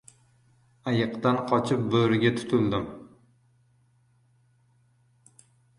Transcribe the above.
• Ayiqdan qochib bo‘riga tutildim.